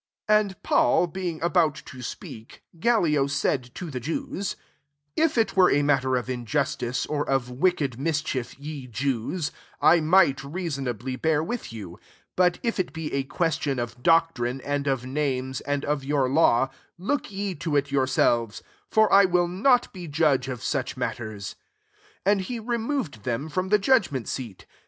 14 And Paul being about to speak, Gallio said to the Jews " If it were a matter of injus tice, or of wicked mischief, ye Jews, I might reasonably bear with you ; 15 but if it be a question of doctrine, and of names, and of your law, look ye to it yourselves: [for] I will not be judge of such matters." 16 And he removed them from the judgment seat.